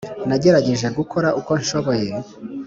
Nagerageje gukora uko nshoboye